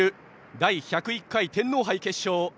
第１０１回天皇杯決勝。